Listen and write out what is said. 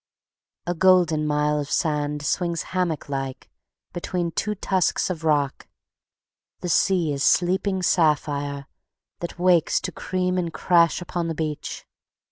A golden mile of sand swings hammock like between two tusks of rock. The sea is sleeping sapphire that wakes to cream and crash upon the beach.